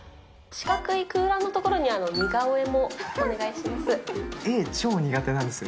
四角い空欄の所に似顔絵もお願いします。